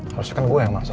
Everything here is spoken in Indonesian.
harusnya kan gue yang masuk